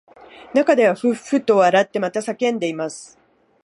中ではふっふっと笑ってまた叫んでいます